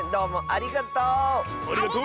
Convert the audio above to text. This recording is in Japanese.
ありがとう！